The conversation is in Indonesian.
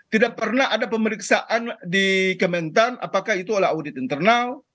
tidak pernah ada pemeriksaan di kementan apakah itu adalah audit internal